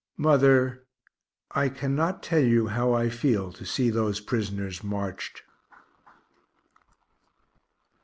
Mother, I cannot tell you how I feel to see those prisoners marched.